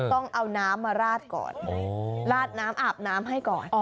ต้องเอาน้ำมาราดก่อนราดน้ำอาบน้ำให้ก่อน